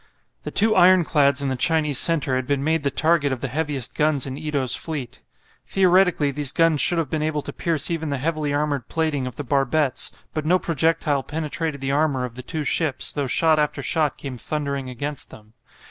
The two ironclads in the Chinese centre had been made the target of the heaviest guns in Ito's fleet. Theoretically these guns should have been able to pierce even the heavily armoured plating of the barbettes, but no projectile penetrated the armour of the two ships, though shot after shot came thundering against them.